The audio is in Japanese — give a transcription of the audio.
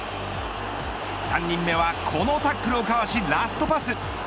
３人目は、このタックルをかわしラストパス。